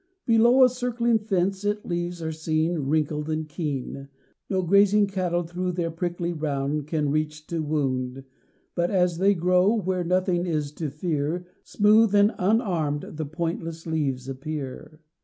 Below a circling fence its leaves are seen Wrinkled and keen; No grazing cattle through their prickly round Can reach to wound; But as they grow where nothing is to fear, Smooth and unarmed the pointless leaves appear.